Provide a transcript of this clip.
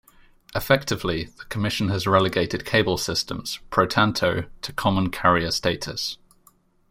Effectively, the Commission has relegated cable systems, pro tanto, to common-carrier status.